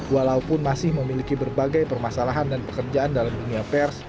walaupun masih memiliki berbagai permasalahan dan pekerjaan dalam dunia pers